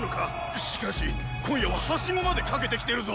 しかし今夜は梯子までかけて来てるぞ！